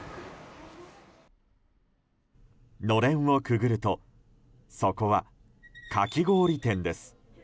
のれんをくぐると、そこはかき氷店です。